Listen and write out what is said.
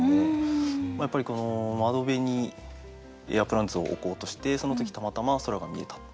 窓辺にエアープランツを置こうとしてその時たまたま空が見えた。